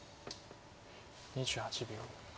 ２８秒。